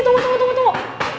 tunggu tunggu tunggu